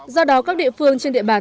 do đó các địa phương trên địa bàn